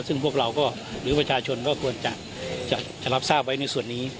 ซึ่งพวกเราก็หรือประชาชนก็ควรจะรับทราบไว้ในส่วนนี้